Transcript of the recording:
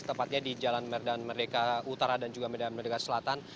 tepatnya di jalan merdeka utara dan juga merdeka selatan